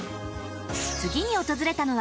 次に訪れたのは。